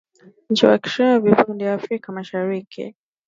Nchi washiriki zavutana nani awe mwenyeji wa benki kuu ya Afrika Mashariki.